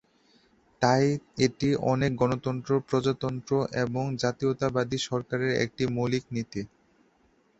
তাই এটি অনেক গণতন্ত্র, প্রজাতন্ত্র এবং জাতীয়তাবাদী সরকারের একটি মৌলিক নীতি।